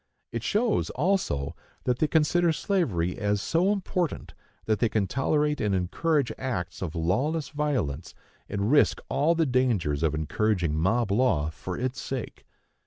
It shows, also, that they consider slavery as so important that they can tolerate and encourage acts of lawless violence, and risk all the dangers of encouraging mob law, for its sake.